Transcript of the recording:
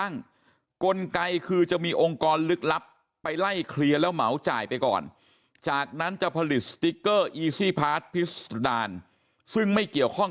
น้ำหนักเกินนี่ผ่านไม่ได้นะ